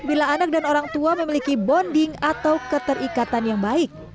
bila anak dan orang tua memiliki bonding atau keterikatan yang baik